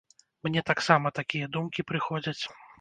Мне таксама такія думкі прыходзяць.